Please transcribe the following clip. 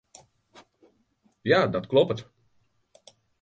Ja, dat kloppet.